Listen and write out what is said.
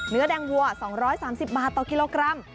เนื้อแดงวัว๒๓๐บาทต่อกิโลกรัม